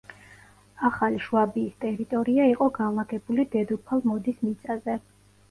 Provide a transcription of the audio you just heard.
ახალი შვაბიის ტერიტორია იყო განლაგებული დედოფალ მოდის მიწაზე.